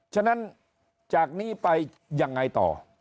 ฉะนั้นจากนี้ไปยังไงต่อ